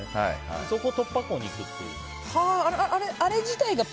そこを突破口にいくっていう。